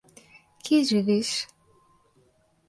Kje živiš?